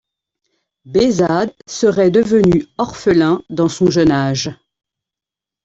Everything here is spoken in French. Behzad serait devenu orphelin dans son jeune âge.